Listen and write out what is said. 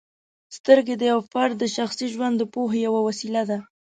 سترګې د یو فرد د شخصي ژوند د پوهې یوه وسیله ده.